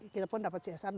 kita pun dapat csr dua